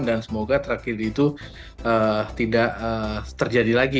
dan semoga tragedi itu tidak terjadi lagi